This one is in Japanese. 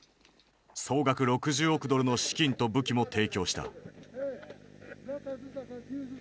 総額６０億ドルの資金と武器も提供した。